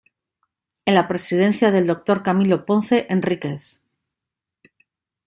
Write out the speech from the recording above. En la Presidencia del Dr. Camilo Ponce Enríquez.